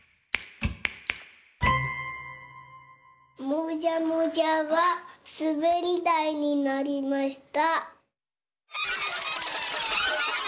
もじゃもじゃはすべりだいになりました。